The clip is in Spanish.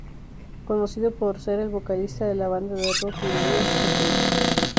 Conocido por ser el vocalista de la banda de rock y blues El Tri.